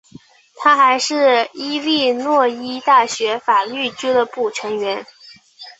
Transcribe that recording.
他还是伊利诺伊大学法律俱乐部成员。